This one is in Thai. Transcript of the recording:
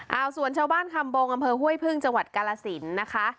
เอาส่วนชาวบ้านคำบงอำเภอห้วยพึ่งจังหวัดกาลสินนะคะ